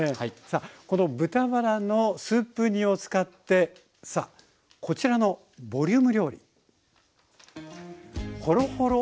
さあこの豚バラのスープ煮を使ってさあこちらのボリューム料理。